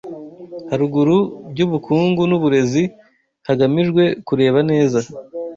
haruguru byubukungu nuburezi hagamijwe kureba neza